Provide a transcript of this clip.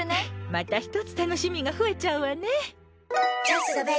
また１つ楽しみが増えちゃうわね。